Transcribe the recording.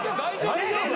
大丈夫？